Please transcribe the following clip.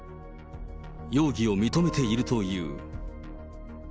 容疑を認めているという。